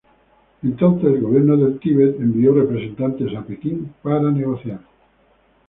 Entonces, el gobierno del Tíbet envió representantes a Pekín para negociar.